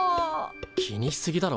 気にしすぎだろ。